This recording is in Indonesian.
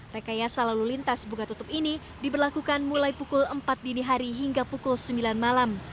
rekayasa lalu lintas buka tutup ini diberlakukan mulai pukul empat dini hari hingga pukul sembilan malam